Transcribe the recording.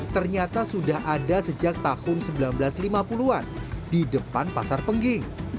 ternyata sudah ada sejak tahun seribu sembilan ratus lima puluh an di depan pasar pengging